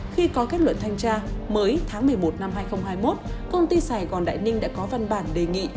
khi có kết luận thanh tra mới tháng một mươi một năm hai nghìn hai mươi một công ty sài gòn đại ninh đã có văn bản đề nghị